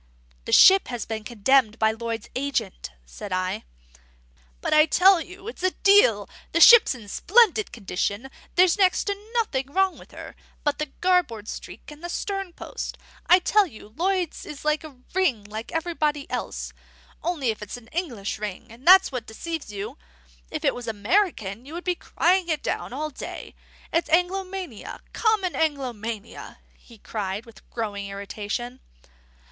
"This ship has been condemned by Lloyd's agent," said I. "But I tell you it's a deal. The ship's in splendid condition; there's next to nothing wrong with her but the garboard streak and the sternpost. I tell you Lloyd's is a ring like everybody else; only it's an English ring, and that's what deceives you. If it was American, you would be crying it down all day. It's Anglomania, common Anglomania," he cried, with growing irritation.